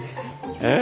えっ？